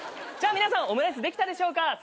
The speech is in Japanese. じゃあ皆さんオムライスできたでしょうか？